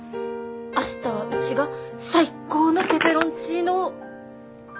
明日はうちが最高のペペロンチーノを。